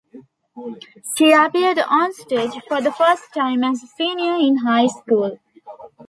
She appeared onstage for the first time as a senior in high school.